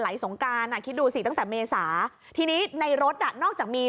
สงการอ่ะคิดดูสิตั้งแต่เมษาทีนี้ในรถอ่ะนอกจากมี